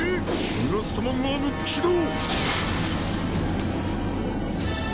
ブラストマンアーム起動！